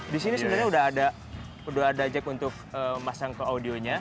di sini sebenarnya udah ada jack untuk masang ke audionya